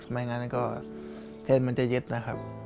ไม่งั้นก็เส้นมันจะยึดนะครับ